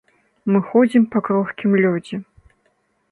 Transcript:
Мы ходзім па крохкім лёдзе.